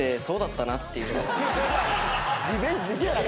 リベンジできなかった。